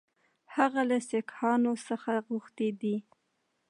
هغه له سیکهانو څخه غوښتي دي.